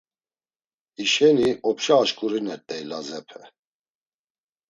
Hişeni opşa aşǩurinert̆ey Lazepe.